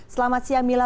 selamat siang mila